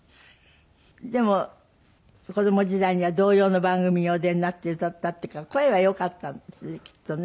でも子供時代には童謡の番組お出になって歌ったっていうから声は良かったんですねきっとね。